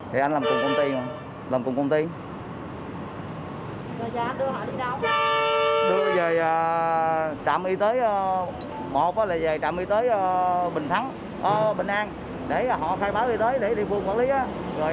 trạm y tế một là về trạm y tế bình thắng bình an để họ khai báo y tế để địa phương quản lý rồi chở họ về công ty